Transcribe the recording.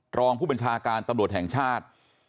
รองผู้บัญชาการตำรวจแห่งชาติ